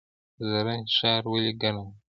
زرنج ښار ولې ګرم دی؟